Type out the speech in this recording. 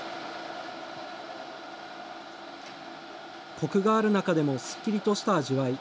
こくがある中でも、すっきりとした味わい。